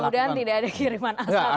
mudah mudahan tidak ada kiriman asal gitu kan